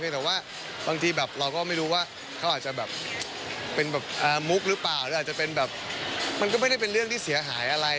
แต่ว่าบางทีเราก็ไม่รู้ว่าเขาอาจจะเป็นมุกหรือเปล่ามันก็ไม่ได้เป็นเรื่องที่เสียหายอะไร